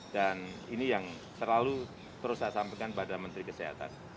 dan ini yang selalu terus saya sampaikan pada menteri kesehatan